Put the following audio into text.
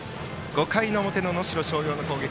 ５回表の能代松陽の攻撃。